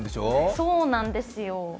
そうなんですよ。